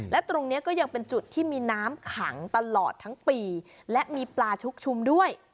และตรงนี้ก็ยังเป็นจุดที่มีน้ำขังตลอดทั้งปีและมีปลาชุกชุมด้วย